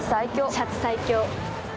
シャチ最強。